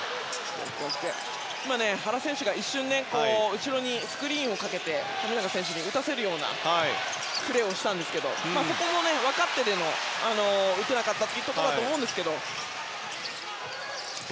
原選手が後ろにスクリーンをかけて富永選手に打たせるようなプレーをしたんですがそこも分かっていても打てなかったところだったと思うんですけど。